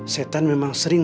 setan memang sering